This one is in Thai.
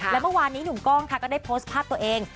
และเมื่อวานนี้หนุ่มกล้องค่ะก็ได้โพสต์ภาพตัวเอง